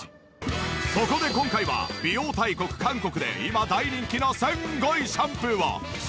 そこで今回は美容大国韓国で今大人気のすんごいシャンプーを。